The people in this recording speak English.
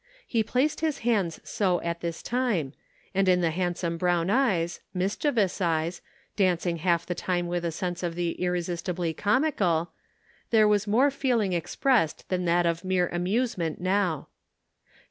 He placed his hands so at this time, and in the handsome brown eyes, mischievous eyes, dancing half the time with a sense of the irresistibly comical, there was more feeling expressed than that of mere amusement now.